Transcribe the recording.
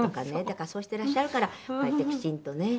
だからそうしてらっしゃるからこうやってきちんとね。